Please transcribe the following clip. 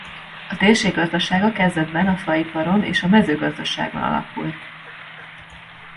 A térség gazdasága kezdetben a faiparon és a mezőgazdaságon alapult.